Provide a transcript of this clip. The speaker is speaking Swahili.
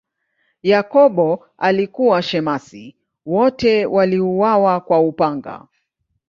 Yakobo alikuwa shemasi, wote waliuawa kwa upanga.